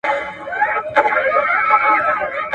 ښوونکي د علم ډیوې دي.